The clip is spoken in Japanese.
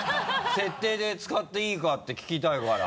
設定で使っていいか？って聞きたいから。